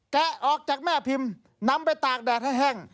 แกะออกจากแม่พิมพ์นำไปตากแดดให้แห้ง